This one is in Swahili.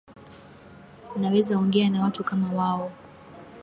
Nawezaongea na watu kama wao